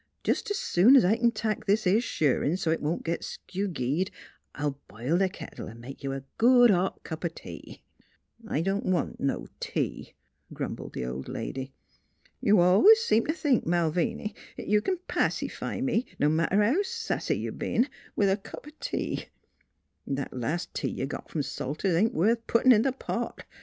Jes' 's soon 's I c'n tack this 'ere shirrin' so 't wont git skewgeed I'll bile th' kettle 'n' make you a good hot cup o' tea." " I don't want no tea," grumbled the old lady. " You al'ays seem t' think, Malviny, 'at you c'n pacify me no matter how sassy you b'en with a cup o' tea. That las' tea you got f'om Salter's ain't worth puttin' in th' pot.